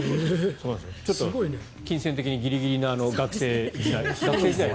ちょっと金銭的にギリギリな学生時代に。